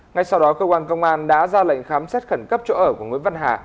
ngay sau đó cơ quan công an đã ra lệnh khám xét khẩn cấp chỗ ở của nguyễn văn hà